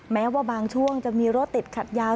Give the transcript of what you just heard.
แม้ว่าบางช่วงจะมีรถติดขัดยาว